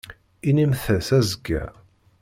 Inimt-as azekka.